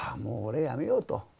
もう俺やめようと。